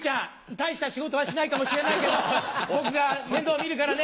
大した仕事はしないかもしれないけど僕が面倒見るからね！